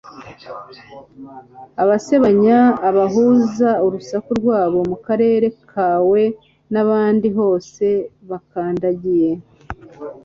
abasebanya, abahuza urusaku rwabo mu karere kawe n'ahandi hose bakandagiye